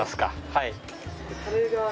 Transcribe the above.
はい。